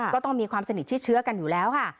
ก็ต้องมีความสนิทที่เชื้อกันอยู่แล้วค่ะ